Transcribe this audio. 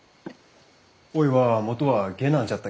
おいは元は下男じゃったけん。